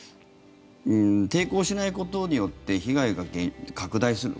抵抗しないことによって被害が拡大する。